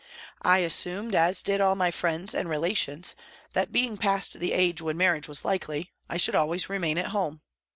I assumed, as did all my friends and relations, that, being past the age when marriage was likely, I should always remain at home.